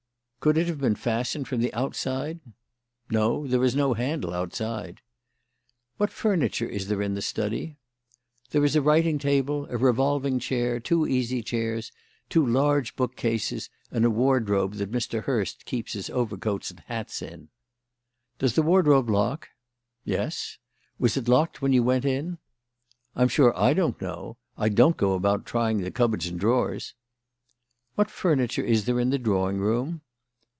"Could it have been fastened from the outside?" "No; there is no handle outside." "What furniture is there in the study?" "There is a writing table, a revolving chair, two easy chairs, two large bookcases, and a wardrobe that Mr. Hurst keeps his overcoats and hats in." "Does the wardrobe lock?" "Yes." "Was it locked when you went in?" "I'm sure I don't know. I don't go about trying the cupboards and drawers." "What furniture is there in the drawing room?"